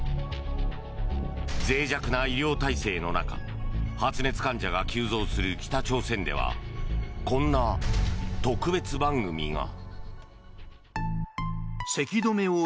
ぜい弱な医療体制の中発熱患者が急増する北朝鮮ではこんな特別番組が。